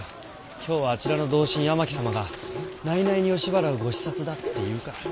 今日はあちらの同心八巻様が内々に吉原をご視察だっていうから。